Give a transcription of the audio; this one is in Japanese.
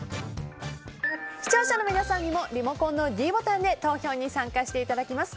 視聴者の皆さんにもリモコンのｄボタンで投票に参加していただけます。